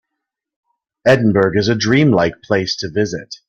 Edinburgh is a dream-like place to visit.